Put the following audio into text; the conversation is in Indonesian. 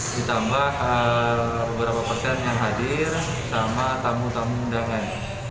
ditambah beberapa persen yang hadir sama tamu tamu undangan